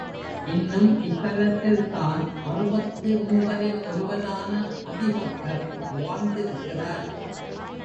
இன்னும் இத்தலத்தில்தான் அறுபத்து மூவரில் ஒருவரான அதிபத்தர் வாழ்ந்திருக்கிறார்.